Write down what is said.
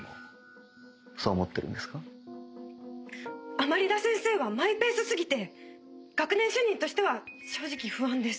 甘利田先生はマイペースすぎて学年主任としては正直不安です。